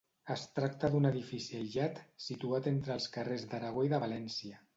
Es tracta d'un edifici aïllat situat entre els carrers d'Aragó i de València.